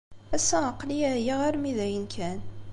Ass-a, aql-iyi ɛyiɣ armi d ayen kan.